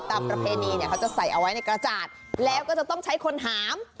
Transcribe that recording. ประเพณีเนี่ยเขาจะใส่เอาไว้ในกระจาดแล้วก็จะต้องใช้คนหาม